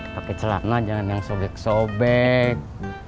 pakai celana jangan yang sobek sobek